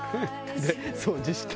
で掃除して。